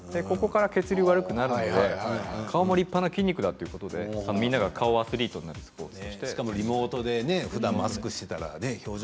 血流が悪くなるんで顔も立派な筋肉だということでみんな顔アスリートになるんです。